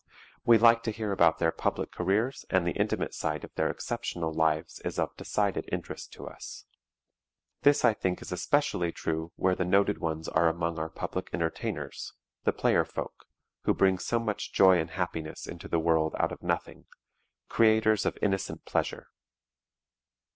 We like to hear about their public careers and the intimate side of their exceptional lives is of decided interest to us. This I think is especially true where the noted ones are among our public entertainers, the player folk, who bring so much joy and happiness into the world out of nothing creators of innocent pleasure.